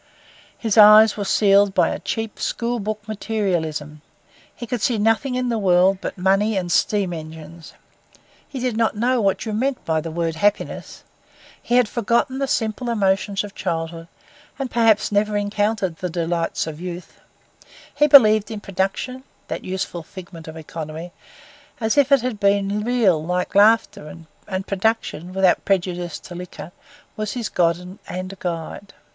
His eyes were sealed by a cheap, school book materialism. He could see nothing in the world but money and steam engines. He did not know what you meant by the word happiness. He had forgotten the simple emotions of childhood, and perhaps never encountered the delights of youth. He believed in production, that useful figment of economy, as if it had been real like laughter; and production, without prejudice to liquor, was his god and guide.